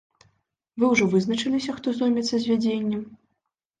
Вы ўжо вызначыліся, хто зоймецца звядзеннем?